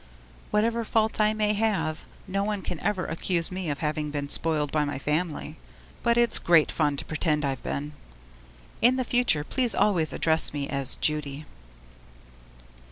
Whatever faults I may have, no one can ever accuse me of having been spoiled by my family! But it's great fun to pretend I've been. In the future please always address me as Judy.